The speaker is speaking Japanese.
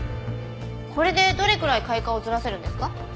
これでどれくらい開花をずらせるんですか？